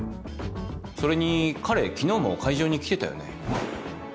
それに彼昨日も会場に来てたよね。